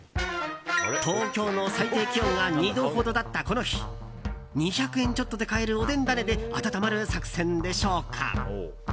東京の最低気温が２度ほどだった、この日２００円ちょっとで買えるおでんダネで温まる作戦でしょうか。